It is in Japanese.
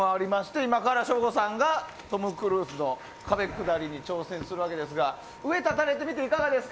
今から省吾さんがトム・クルーズの壁下りに挑戦するわけですが上に立たれてみていかがですか？